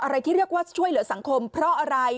ที่เรียกว่าช่วยเหลือสังคมเพราะอะไร